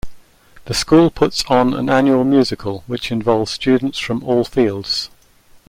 The school puts on an annual musical which involves students from all fields.